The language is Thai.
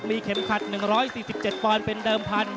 มีเข็มขัด๑๔๗ปอนด์เป็นเดิมพันธ